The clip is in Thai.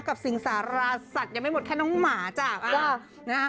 สิงสาราสัตว์ยังไม่หมดแค่น้องหมาจ้ะนะฮะ